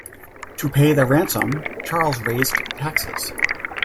To pay the ransom, Charles raised taxes.